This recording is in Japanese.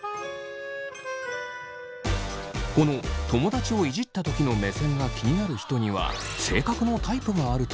この友達をイジったときの目線が気になる人には性格のタイプがあるという。